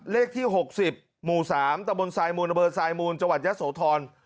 เลขที่หกสิบหมู่สามตะบนสายมูลระเบิดสายมูลจังหวัดยศโถร